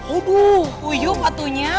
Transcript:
aduh puyuk patunya